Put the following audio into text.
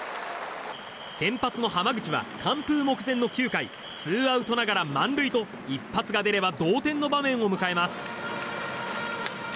先発の濱口は完封目前の９回ツーアウトながら満塁と一発が出れば同点の場面を迎えます。